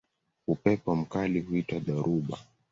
Upepo mkali huitwa dhoruba.